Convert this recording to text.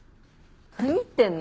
何言ってんの？